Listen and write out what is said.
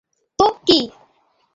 তো, কি?